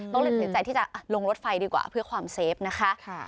ตัดสินใจที่จะลงรถไฟดีกว่าเพื่อความเซฟนะคะ